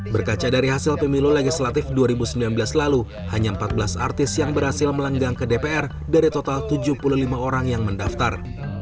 berkaca dari hasil pemilu legislatif dua ribu sembilan belas lalu hanya empat belas artis yang berhasil melenggang ke dpr dari total tujuh puluh lima orang yang mendaftar